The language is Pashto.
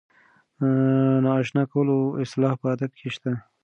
د نااشنا کولو اصطلاح په ادب کې شته.